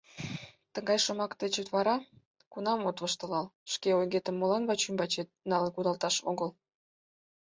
Тыгай шомак деч вара кунам от воштылал, шке ойгетым молан вачӱмбачет налын кудалташ огыл?